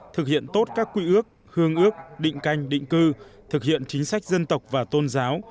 thực hiện tốt các quy ước hương ước định canh định cư thực hiện chính sách dân tộc và tôn giáo